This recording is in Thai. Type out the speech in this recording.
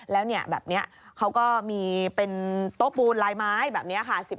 แล้วแบบนี้เขาก็มีเป็นโต๊ะปูนลายไม้แบบนี้ค่ะ